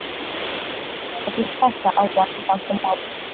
wa kisiasa na kuanzisha mfumo wa bunge